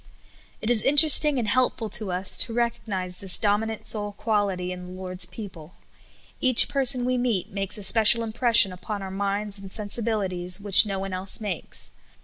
It is interesting and helpful to us to recognize this dominant soul qualit} in the Lord's people. Kach per son we meet makes a special impression upon our minds and sensibilities which no one else makes.